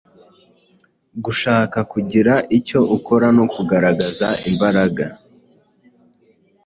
gushaka kugira icyo ukora no kugaragaza imbaraga.